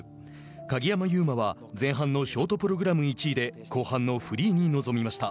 鍵山優真は前半のショートプログラム１位で後半のフリーに臨みました。